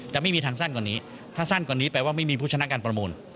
แต่ไม่มีทางสั้นกว่านี้ถ้าสั้นกว่านี้แปลว่าไม่มีผู้ชนะการประมูล